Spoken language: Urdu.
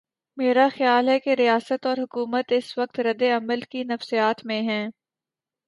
میرا خیال ہے کہ ریاست اور حکومت اس وقت رد عمل کی نفسیات میں ہیں۔